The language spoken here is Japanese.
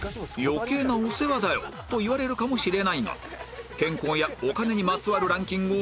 余計なお世話だよ！と言われるかもしれないが健康やお金にまつわるランキングを独自に作成